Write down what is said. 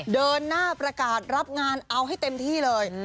เดินหน้าประกาศรับงานเอาให้เต็มที่เลย